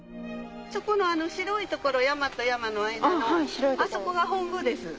そこの白い所山と山の間のあそこが本宮です。